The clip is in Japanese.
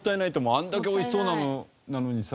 あれだけ美味しそうなものなのにさ。